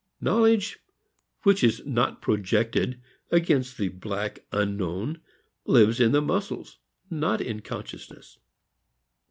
Knowledge which is not projected against the black unknown lives in the muscles, not in consciousness.